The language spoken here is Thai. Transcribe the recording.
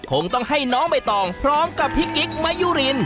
คงต้องให้น้องใบตองพร้อมกับพี่กิ๊กมะยุริน